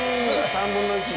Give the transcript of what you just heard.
３分の１。